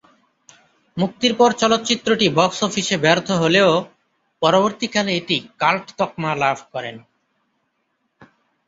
মুক্তির পর চলচ্চিত্রটি বক্স অফিসে ব্যর্থ হলেও পরবর্তী কালে এটি কাল্ট তকমা লাভ করে।